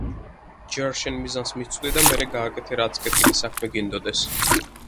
ჯერ შენს მიზანს მისწვდი და მერე გააკეთე რაც კეთილი საქმე გინდოდეს.